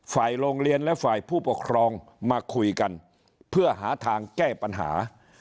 ฝ่ายโรงเรียนและฝ่ายผู้ปกครองมาคุยกันเพื่อหาทางแก้ปัญหา